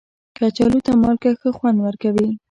کچالو ته مالګه ښه خوند ورکوي